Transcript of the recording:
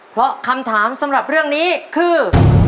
เพราะคำถามสำหรับเรื่องนี้คือ